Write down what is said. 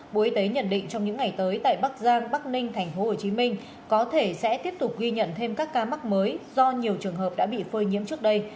bộ y tế nhận định trong những ngày tới tại bắc giang bắc ninh tp hcm có thể sẽ tiếp tục ghi nhận thêm các ca mắc mới do nhiều trường hợp đã bị phơi nhiễm trước đây